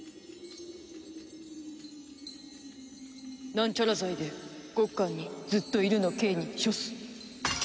なんちゃら罪でゴッカンにずっといるの刑に処す。